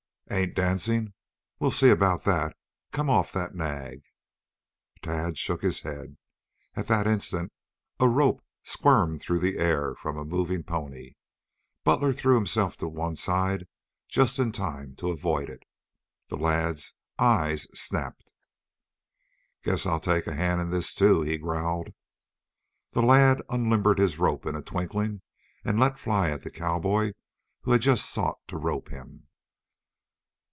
"Ain't dancing? We'll see about that. Come off that nag." Tad shook his head. At that instant a rope squirmed through the air from a moving pony. Butler threw himself to one side just in time to avoid it. The lad's eyes snapped. "Guess I'll take a hand in this, too," he growled. The lad unlimbered his rope in a twinkling and let fly at the cowboy who had just sought to rope him.